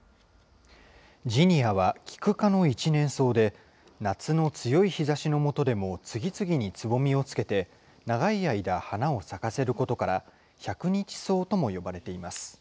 ジニアはキク科の一年草で、夏の強い日ざしの下でも、次々につぼみをつけて、長い間花を咲かせることから、百日草とも呼ばれています。